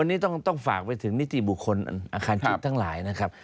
อันนี้ต้องฝากไปถึงนิติบุคคลอาคารชุดทั้งหลายนะครับ